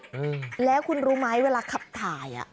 เออฮืมอืมเอ่ยแล้วคุณรู้ไหมเวลาขับถ่ายอ่ะ